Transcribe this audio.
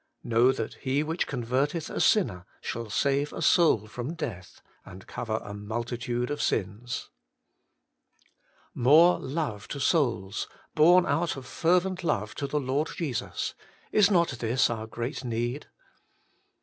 ' Knozv that he which converteth a sinner shall save a soul from death, and cover a multitude of sins' 1. More love to souls, born out of fervent love to the Lord Jesus — is not this our great need?